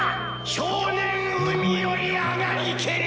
少年海より上がりけり。